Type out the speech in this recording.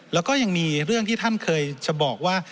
แล้วก็ยังมีเรื่องที่ท่านเคยจะบอกว่า